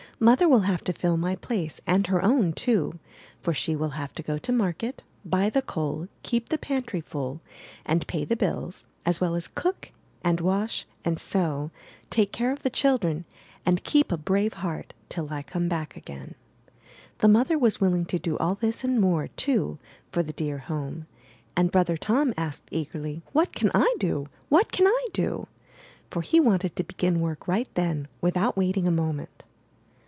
Mother will have to fill my place 286 IN THE NURSERY and her own, too, for she will have to go to mar ket, buy the coal, keep the pantry full, and pay the bills, as well as cook and wash and sew, take care of the children, and keep a brave heart till I come back again/' The mother was willing to do all this and more, too, for the dear home; and Brother Tom asked eagerly: *'What can I do? — ^what can I do?'' — for he wanted to begin work right then, without wait ing a moment.